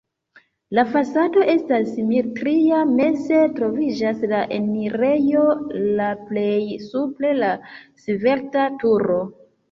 La fasado estas simetria, meze troviĝas la enirejo, la plej supre la svelta turo.